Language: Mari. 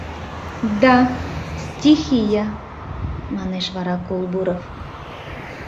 — Да... стихия... — манеш вара Колбуров.